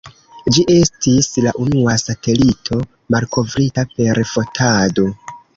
Ĝi estis la unua satelito malkovrita per fotado.